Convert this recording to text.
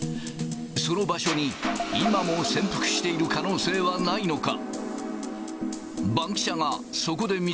その場所に今も潜伏している可能性はないのか。